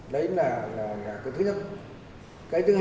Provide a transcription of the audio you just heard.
đấy là cái thứ nhất